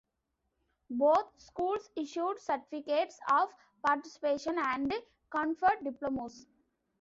Both schools issued certificates of participation and conferred diplomas.